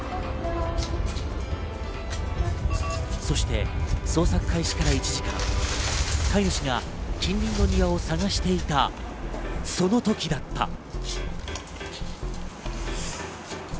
そして捜索開始から１時間、飼い主が近隣の庭を探していたその時だった。